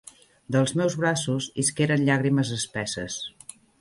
Dels meus braços isqueren llàgrimes espesses.